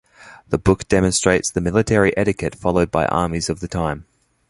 The book demonstrates the military etiquette followed by armies of the time.